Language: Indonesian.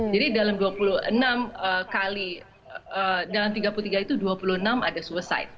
jadi dalam dua puluh enam kali dalam tiga puluh tiga itu dua puluh enam ada suicide